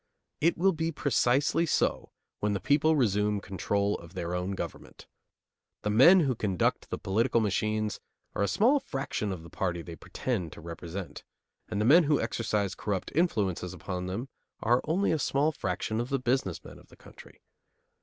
It will be precisely so when the people resume control of their own government. The men who conduct the political machines are a small fraction of the party they pretend to represent, and the men who exercise corrupt influences upon them are only a small fraction of the business men of the country.